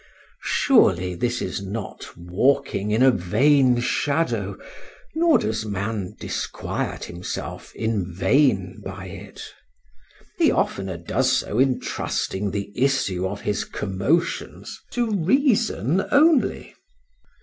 Surely this is not walking in a vain shadow—nor does man disquiet himself in vain by it:—he oftener does so in trusting the issue of his commotions to reason only.